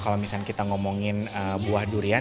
kalau misalnya kita ngomongin buah durian